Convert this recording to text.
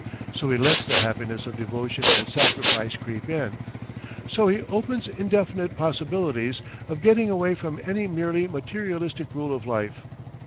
So he lets the happiness of devotion and sacrifice creep in. So he opens indefinite possibilities of getting away from any merely materialistic rule of life.